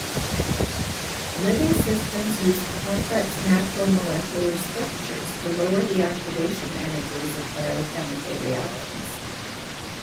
Living systems use complex macromolecular structures to lower the activation energies of biochemical reactions.